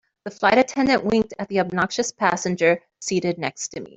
The flight attendant winked at the obnoxious passenger seated next to me.